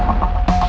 aku kasih tau